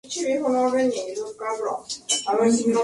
Sport Boys se coronó campeón logrando su cuarto título.